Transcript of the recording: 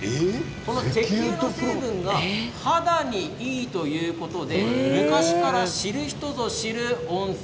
石油の成分が肌にいいということで昔から知る人ぞ知る温泉